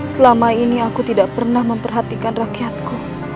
selama ini aku tidak pernah memperhatikan rakyatku